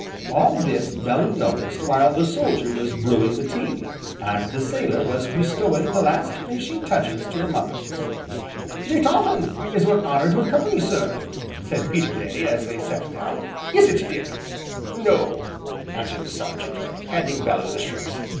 All this Bellew noticed while the soldier was brewing the tea, and the sailor was bestowing the last finishing touches to the muffins. "It aren't often as we're honoured wi' company, sir," said Peterday, as they sat down, "is it, Dick?" "No," answered the Sergeant, handing Bellew the shrimps.